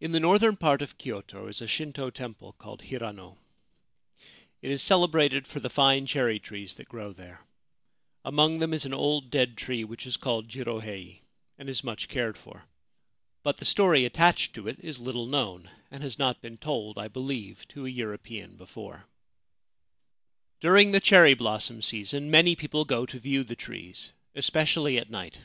In the northern part of Kyoto is a Shinto temple called Hirano. It is celebrated for the fine cherry trees that grow there. Among them is an old dead tree which is called 4 Jirohei,' and is much cared for ; but the story attached to it is little known, and has not been told, I believe, to a European before. 302 JIROHEI CLINGS TO THE CHERRY TREE EVEN IN DEATH : The c Jirohei ' Cherry Tree, Kyoto During the cherry blossom season many people go to view the trees, especially at night.